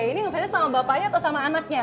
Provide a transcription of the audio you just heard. ini ngefany sama bapaknya atau sama anaknya